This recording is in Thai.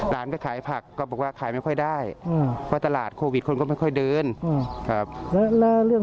ถ้าไม่มีก็ต้องกู้มาหมุนแล้วก็เห็นใจน้องครับผม